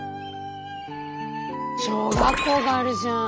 小学校があるじゃん。